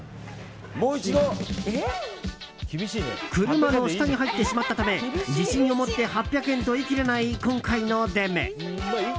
車の下に入ってしまったため自信を持って８００円と言い切れない今回の出目。